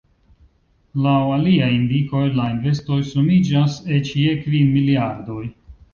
Laŭ aliaj indikoj la investoj sumiĝas eĉ je kvin miliardoj.